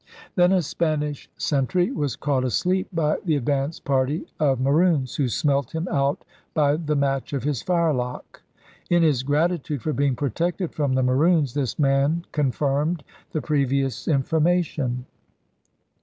Then a Spanish sentry was caught asleep by the advanced party of Maroons, who smelt him out by the match of his fire lock. In his gratitude for being protected from the Maroons, this man confirmed the previous information.